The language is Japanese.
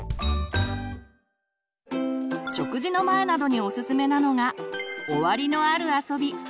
食事の前などにおすすめなのが「終わりのある遊び」。